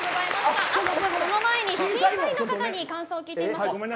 その前に審査員の方に感想聞いてみましょう。